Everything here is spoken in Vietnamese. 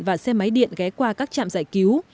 và xe máy điện ghé qua các trạm giải cứu